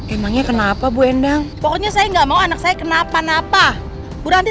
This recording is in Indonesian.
emangnya kenapa bu endang pokoknya saya nggak mau anak saya kenapa napa bu nanti